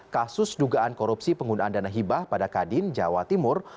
kasus dugaan korupsi penggunaan dana hibah pada kadin jawa timur